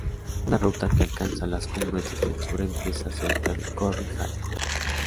Una ruta que alcanza las cumbres desde el sur empieza cerca de Corrie Hallie.